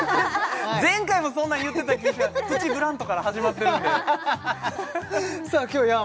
前回もそんなん言うてた気します「プチブラント」から始まってるんでははははは！